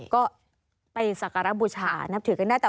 ก็ไปสัครบุชานะถือกันได้